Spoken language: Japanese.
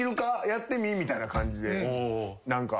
やってみ？みたいな感じで何か。